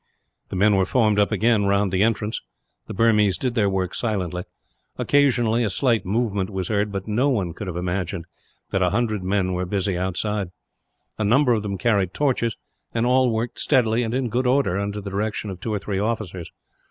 The men were formed up again, round the entrance. The Burmese did their work silently. Occasionally a slight movement was heard, but no one could have imagined that a hundred men were busy outside. A number of them carried torches, and all worked steadily and in good order, under the direction of two or three officers.